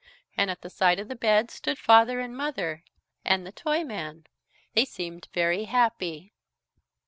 And at the side of the bed stood Father and Mother and the Toyman. They seemed very happy.